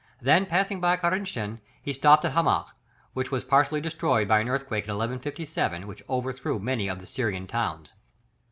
Then passing by Cariatin, he stopped at Hamah, which was partially destroyed by an earthquake in 1157, which overthrew many of the Syrian towns.